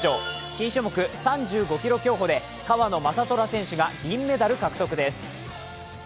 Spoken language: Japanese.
新種目、３５ｋｍ競歩で川野将虎選手が銀メダル獲得です。